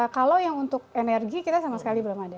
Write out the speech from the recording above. kalau yang untuk energi kita sama sekali belum ada